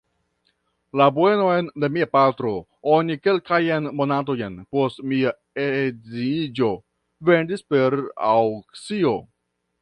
La bienon de mia patro oni kelkajn monatojn post mia edziniĝo vendis per aŭkcio.